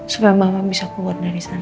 supaya mama bisa keluar dari sana